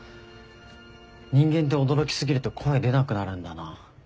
人間って驚き過ぎると声出なくなるんだな。